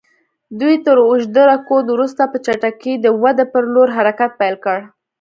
دوی تر اوږده رکود وروسته په چټکۍ د ودې پر لور حرکت پیل کړ.